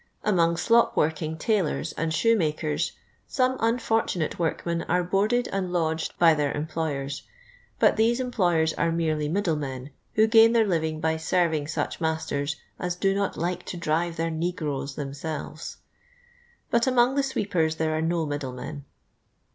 Among slop working tailors and shoe makers, some unfurtunaie workmen are boiirJed and lodged by their cnrtloyer^, but tiiese em , plovers are merely middlemen, who gsiin their living by serving such masters as " do not like to ' drive their negrues themselves." But among the l sweepers there are no middlemen.